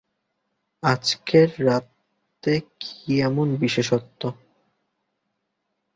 আজকের রাতের কী এমন বিশেষত্ব?